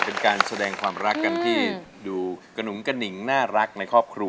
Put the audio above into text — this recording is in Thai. เป็นการแสดงความรักที่ดูกนุ้มกะนิ้งน่ารักในครอบครัว